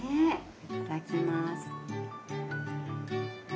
いただきます。